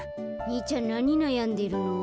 にいちゃんなになやんでるの？